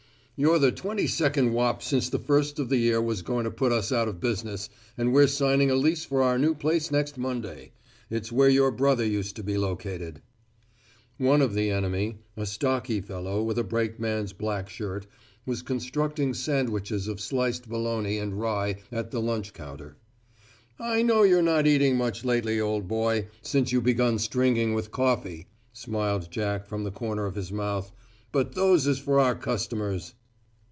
"You're the twenty second wop since the first of the year was going to put us out of business, and we're signing a lease for our new place next Monday. It's where your brother used to be located." One of the enemy, a stocky fellow with a brakeman's black shirt, was constructing sandwiches of sliced bologna and rye at the lunch counter. "I know you're not eating much lately, old boy, since you begun stringing with Coffey," smiled Jack from the corner of his mouth, "but those is for our customers."